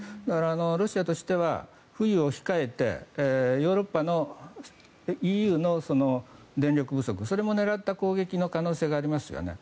ロシアとしては冬を控えてヨーロッパ、ＥＵの電力不足を狙った可能性がありますね。